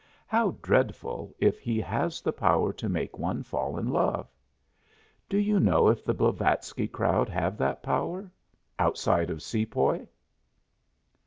How dreadful if he has the power to make one fall in love! Do you know if the Blavatsky crowd have that power outside of Sepoy?